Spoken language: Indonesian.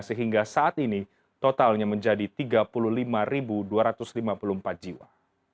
sehingga saat ini totalnya menjadi tiga puluh lima dua ratus lima puluh empat jiwa